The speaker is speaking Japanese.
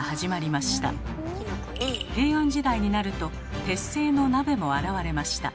平安時代になると鉄製の鍋も現れました。